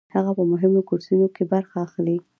هغه په مهمو کورسونو کې برخه اخلي.